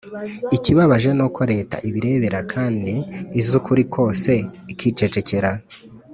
Ikibabaje nuko Leta ibirebera Kandi izi ukuri kose ikicecekera.